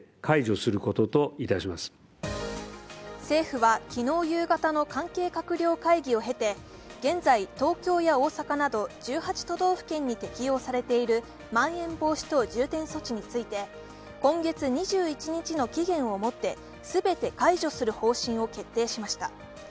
政府は、昨日夕方の関係閣僚会議を経て、現在、東京や大阪など１８都道府県に適用されているまん延防止等重点措置について今月２１日の期限をもって全て解除する方針を決定しました。